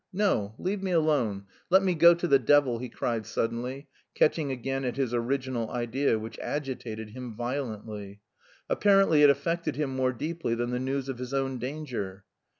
"No, leave me alone, let me go to the devil!" he cried suddenly, catching again at his original idea, which agitated him violently. Apparently it affected him more deeply than the news of his own danger.